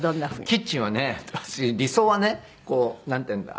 キッチンはね私理想はねこうなんていうんだ？